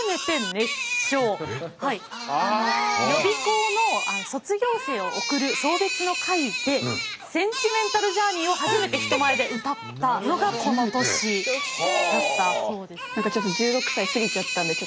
予備校の卒業生を送る送別の会で「センチメンタル・ジャーニー」を初めて人前で歌ったのがこの年だったそうです。